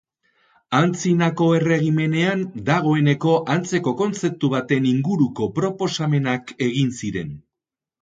Antzinako Erregimenean dagoeneko antzeko kontzeptu baten inguruko proposamenak egin ziren.